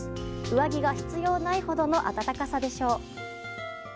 上着が必要ないほどの暖かさでしょう。